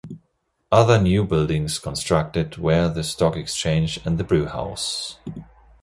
Other new buildings constructed were the Stock Exchange and the Brewhouse.